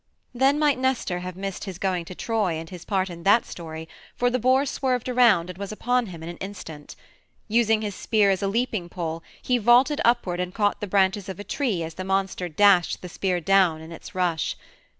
Then might Nestor have missed his going to Troy and his part in that story, for the boar swerved around and was upon him in an instant. Using his spear as a leaping pole he vaulted upward and caught the branches of a tree as the monster dashed the spear down in its rush.